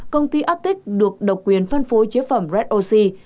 công ty atic được độc quyền phân phối chế phẩm red oxy